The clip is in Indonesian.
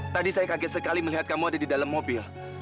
tadi saya kaget sekali melihat kamu ada di dalam mobil